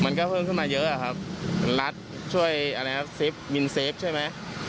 มันก็เพิ่มขึ้นมาเยอะอะครับรัดช่วยอะไรครับเซฟมินเซฟใช่ไหม